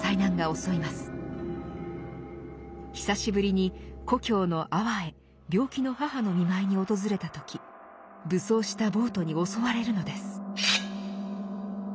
久しぶりに故郷の安房へ病気の母の見舞いに訪れた時武装した暴徒に襲われるのです。